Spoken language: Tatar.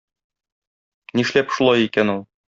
Нишләп шулай икән ул?